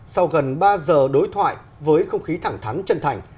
sau gần ba giờ đối thoại với không khí thẳng thắn chân thành